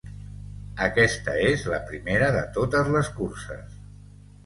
Aquesta és la primera de totes les curses.